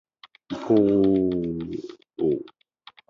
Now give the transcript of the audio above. いこーーーーーーぉ